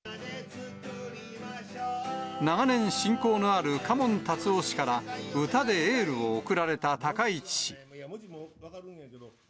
長年親交のある嘉門タツオ氏から歌でエールを送られた高市氏。